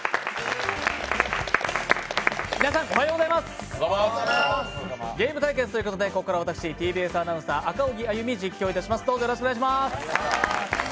続くゲーム対決ということでここからは私ＴＢＳアナウンサー・赤荻歩実況いたします。